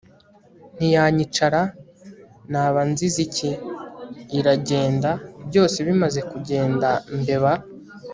ntiyanyica ra? naba nzize iki? iragenda. byose bimaze kugenda ... mbeba